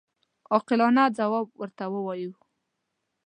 عاقلانه ځواب ورته ووایو.